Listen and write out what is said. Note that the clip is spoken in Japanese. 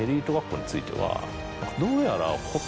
どうやら。